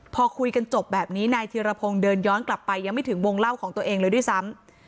พอคุยกันจบแบบนี้นายธีรพงศ์เดินย้อนกลับไปยังไม่ถึงวงเล่าของตัวเองเลยด้วยซ้ำ